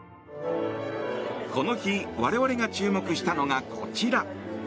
この日、我々が注目したのがこちら。